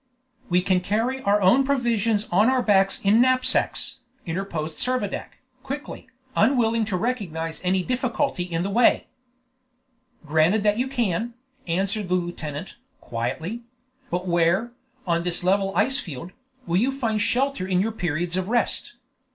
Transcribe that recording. "We can carry our own provisions on our backs in knapsacks," interposed Servadac, quickly, unwilling to recognize any difficulty in the way. "Granted that you can," answered the lieutenant, quietly; "but where, on this level ice field, will you find shelter in your periods of rest?